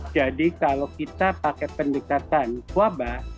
jadi kalau kita pakai pendekatan wabah